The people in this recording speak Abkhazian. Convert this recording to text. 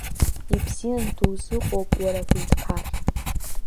Ибзиан дузыҟоуп уара аҳәынҭқар.